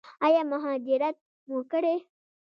ایا مهاجرت مو کړی؟